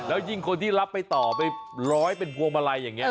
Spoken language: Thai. แล้วยิ่งคนที่รับไปต่อไปร้อยเป็นพวงมาลัยอย่างนี้